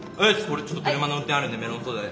俺ちょっと車の運転あるんでメロンソーダで。